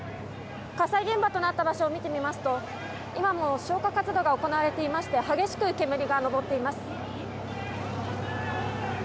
火災現場となった場所を見てみますと今も消火活動が行われていまして激しく煙が上っています。